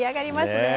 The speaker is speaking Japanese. ねえ。